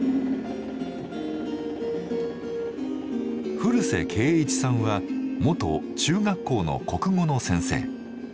古瀬恵一さんは元中学校の国語の先生。